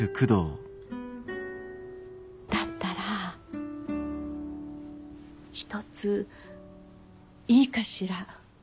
だったら一ついいかしら。